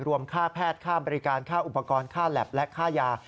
ค่าแพทย์ค่าบริการค่าอุปกรณ์ค่าแล็บและค่ายา